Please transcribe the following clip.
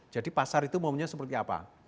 jadi pasar itu maunya seperti apa